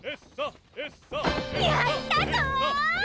やったぞっ！